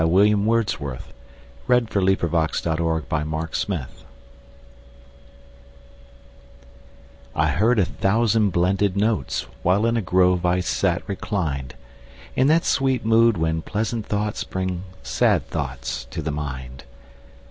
William Wordsworth Lines Written in Early Spring I HEARD a thousand blended notes, While in a grove I sate reclined, In that sweet mood when pleasant thoughts Bring sad thoughts to the mind.